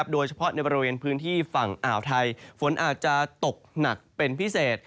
โดยเฉพาะในบริเวณพื้นที่ฝั่งอ่าวไทยฝนอาจจะตกหนักเป็นพิเศษ